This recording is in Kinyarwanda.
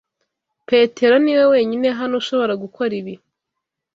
Petero niwe wenyine hano ushobora gukora ibi.